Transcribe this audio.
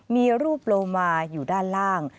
มีรูปโลมาอยู่ด้านล่าง